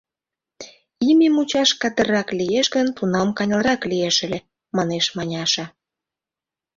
— Име мучаш кадыррак лиеш гын, тунам каньылырак лиеш ыле, — манеш Маняша.